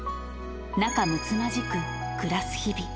仲むつまじく暮らす日々。